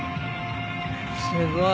すごい。